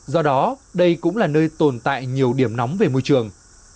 do đó đây cũng là nơi tồn tại nhiều điểm nóng về môi trường